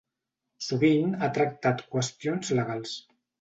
Sovint ha tractat qüestions legals.